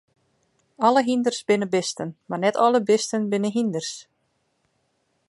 Alle hynders binne bisten, mar net alle bisten binne hynders.